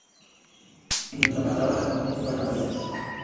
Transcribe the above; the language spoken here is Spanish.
En ultramar trabaja como crítico para Variety.